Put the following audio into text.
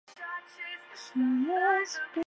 本名融成。